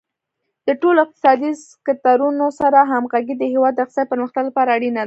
د ټولو اقتصادي سکتورونو سره همغږي د هیواد د اقتصادي پرمختګ لپاره اړینه ده.